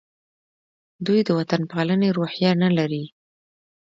دوی د وطن پالنې روحیه نه لري.